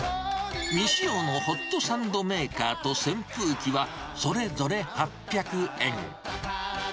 未使用のホットサンドメーカーと扇風機はそれぞれ８００円。